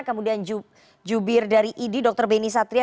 kemudian jubir dari idi dr beni satria